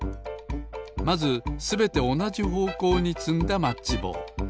まずすべておなじほうこうにつんだマッチぼう。